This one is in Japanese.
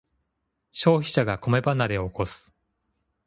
消費者が米離れを起こす